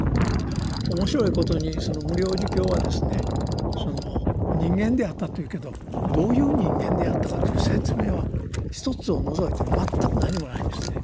面白いことにその「無量寿経」はですね人間であったというけどどういう人間であったかという説明は一つを除いて全く何もないんですね。